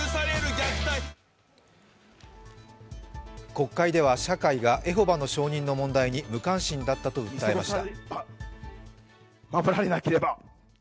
国会では社会がエホバの証人の問題に無関心だと訴えました。